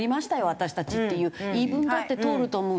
私たちっていう言い分だって通ると思うんですよ。